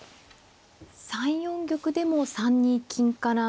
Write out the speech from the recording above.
３四玉でも３二金から。